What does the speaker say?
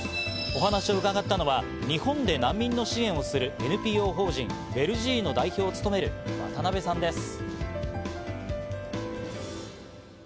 お話を伺ったのは日本で難民の支援をするＮＰＯ法人ＷＥＬｇｅｅが代表を務める渡部さんです。